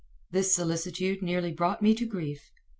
This solicitude nearly brought me to grief.